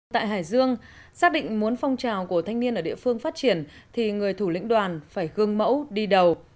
tại hải dương xác định muốn phong trào của thanh niên ở địa phương phát triển thì người thủ lĩnh đoàn phải gương mẫu đi đầu